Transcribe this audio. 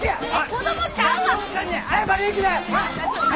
子供ちゃうわ！